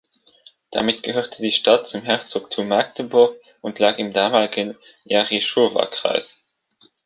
Damit gehörte die Stadt zum Herzogtum Magdeburg und lag im damaligen Jerichower Kreis.